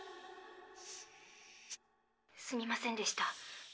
すみませんでした。